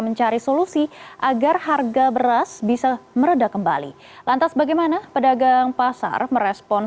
mencari solusi agar harga beras bisa meredak kembali lantas bagaimana pedagang pasar merespon